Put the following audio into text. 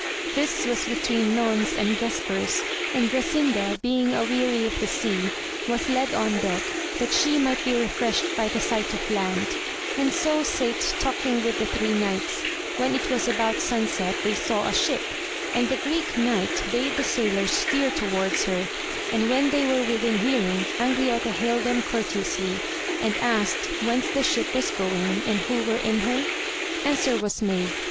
This was between nones and vespers, and Grasinda being aweary of the sea, was led on deck, that she might be refreshed by the sight of land, and so sate talking with the three knights, when it was about sun set, they saw a ship, and the Greek Knight bade the sailors steer towards her, and when they were within hearing, Angriote hailed them courteously, and asked whence the ship was going, and who were in her ? answer was made.